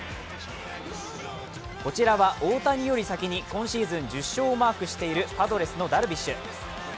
こちらは大谷より先に今シーズン１０勝をマークしているパドレスのダルビッシュ。